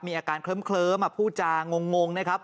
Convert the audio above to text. มีอาการเคลิ้มพูดจางงนะครับ